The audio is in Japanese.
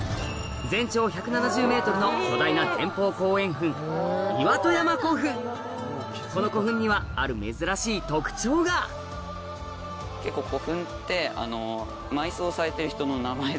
全長１７０ｍの巨大な前方後円墳この古墳にはある珍しい特徴がそうなの？